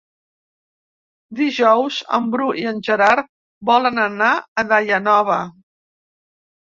Dijous en Bru i en Gerard volen anar a Daia Nova.